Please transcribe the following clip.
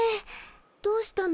どうしたの？